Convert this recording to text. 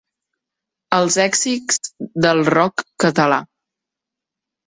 Els èxits del 'rock' català.